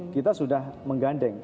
kita sudah menggandeng